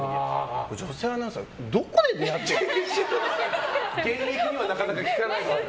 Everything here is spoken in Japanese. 女性アナウンサーどこで出会ってるの？